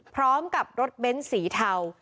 พร้อมกับรถเบ้นสีเทา